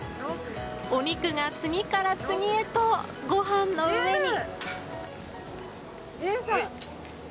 お肉が次から次へとご飯の上に。